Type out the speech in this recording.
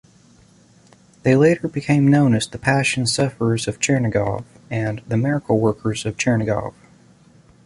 They later became known as "The Passion-Sufferers of Chernigov" and "The Miracle-Workers of Chernigov".